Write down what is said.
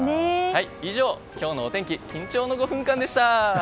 以上、今日のお天気緊張の５分間でした！